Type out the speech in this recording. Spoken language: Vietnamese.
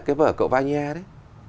cái vở cậu vanya đấy